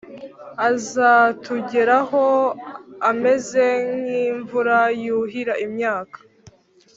azatugeraho ameze nk’imvura yuhira imyaka,